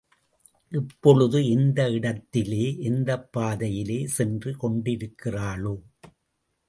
இப்பொழுது எந்த இடத்திலே, எந்தப் பாதையிலே சென்று கொண்டிருக்கிறாளோ?